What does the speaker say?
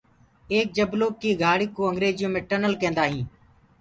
ايڪ جبلو ڪي گھآݪ ڪُو انگريجيو مي ٽنل ڪيندآ هي۔